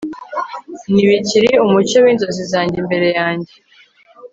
Ntibikiri umucyo winzozi zanjye imbere yanjye